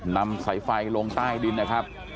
นำสายไฟลงใต้ดินนะครับ